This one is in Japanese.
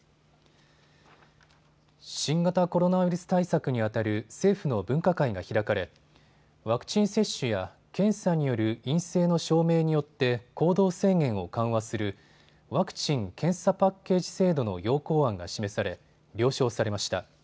新型コロナウイルス対策にあたる政府の分科会が開かれワクチン接種や検査による陰性の証明によって行動制限を緩和するワクチン・検査パッケージ制度の要綱案が示され了承されました。